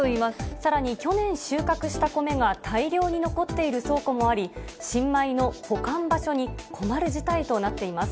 さらに、去年収穫した米が大量に残っている倉庫もあり、新米の保管場所に困る事態となっています。